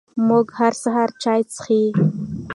موږ هر سهار چای څښي🥃